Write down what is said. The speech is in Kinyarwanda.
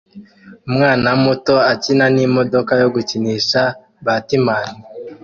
Umwana muto akina n'imodoka yo gukinisha batman